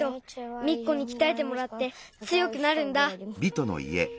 ミッコにきたえてもらってつよくなるんだ。